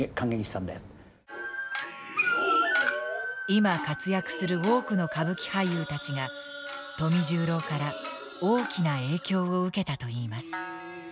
今活躍する多くの歌舞伎俳優たちが富十郎から大きな影響を受けたといいます。